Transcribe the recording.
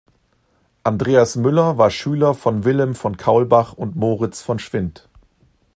Andreas Müller war Schüler von Wilhelm von Kaulbach und Moritz von Schwind.